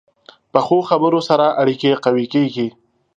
پخو خبرو سره اړیکې قوي کېږي